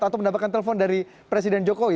atau mendapatkan telpon dari presiden jokowi